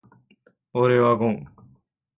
俺はゴン。